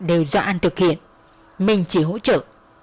đều do anh thực hiện mình chỉ hỗ trợ